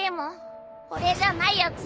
俺じゃないやつ